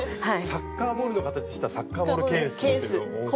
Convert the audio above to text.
サッカーボールの形したサッカーボールケースっていうのも面白い。